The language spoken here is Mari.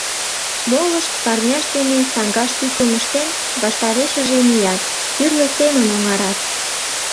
Молышт, парняшт дене саҥгаш тӱкым ыштен, ваштарешыже мият, тӱрлӧ семын оҥарат.